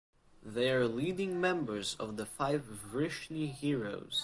They are leading members of the five "Vrishni heroes".